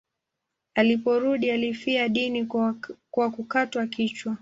Aliporudi alifia dini kwa kukatwa kichwa.